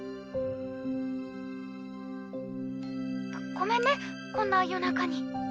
「ごめんねこんな夜中に」